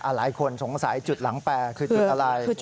หลายคนสงสัยจุดหลังแปรคือจุดอะไร